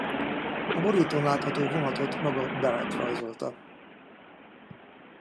A borítón látható vonatot maga Barrett rajzolta.